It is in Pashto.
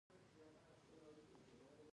د غزني په ده یک کې د سرو زرو نښې شته.